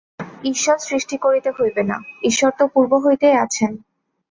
ঈশ্বর সৃষ্টি করিতে হইবে না, ঈশ্বর তো পূর্ব হইতেই আছেন।